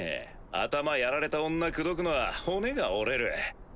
頭やられた女口説くのは骨が折れる。